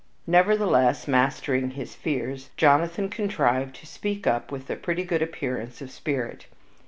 Nevertheless, mastering his fears, Jonathan contrived to speak up with a pretty good appearance of spirit.